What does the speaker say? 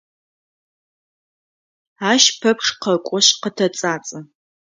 Ащ пэпчъ къэкӏошъ къытэцӏацӏэ.